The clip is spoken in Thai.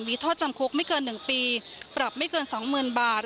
มีโทษจำคุกไม่เกิน๑ปีปรับไม่เกิน๒๐๐๐บาท